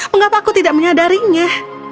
mengapa aku tidak menyadarinya